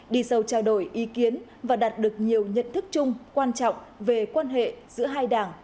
đi sâu trao đổi ý kiến và đạt được nhiều nhận thức chung quan trọng về quan hệ giữa hai đảng